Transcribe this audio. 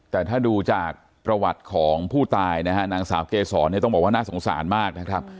แต่ถ้าดูจากประวัติของผู้ตายนะฮะนางสาวเกษรเนี่ยต้องบอกว่าน่าสงสารมากนะครับ